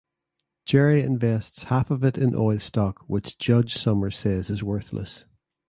Jerry invests half of it in oil stock which Judge Somers says is worthless.